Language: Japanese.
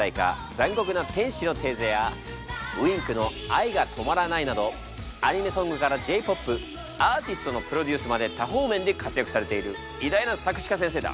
「残酷な天使のテーゼ」やＷｉｎｋの「愛が止まらない」などアニメソングからＪ−ＰＯＰアーティストのプロデュースまで多方面で活躍されている偉大な作詞家先生だ。